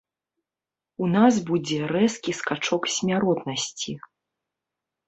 У нас будзе рэзкі скачок смяротнасці.